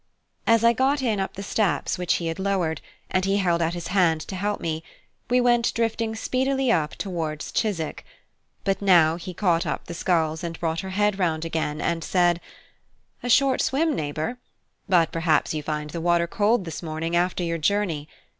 As I got in up the steps which he had lowered, and he held out his hand to help me, we went drifting speedily up towards Chiswick; but now he caught up the sculls and brought her head round again, and said "A short swim, neighbour; but perhaps you find the water cold this morning, after your journey.